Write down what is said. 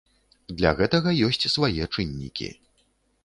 Для гэтага ёсць свае чыннікі.